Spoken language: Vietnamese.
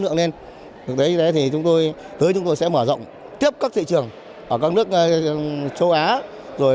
lượng lên đấy thì chúng tôi thế chúng tôi sẽ mở rộng tiếp các thị trường ở các nước châu á rồi